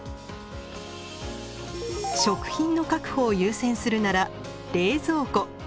食品の確保を優先するなら冷蔵庫。